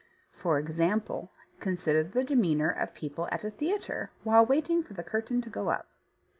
For example, consider the demeanour of people at a theatre while waiting for the curtain to go up.